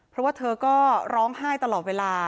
เพราะว่าเธอก็ร้องไห้ตลอดเวลา